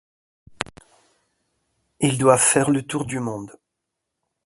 Ils doivent faire le tour du monde.